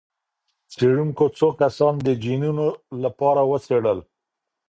څېړونکو څو کسان د جینونو لپاره وڅېړل.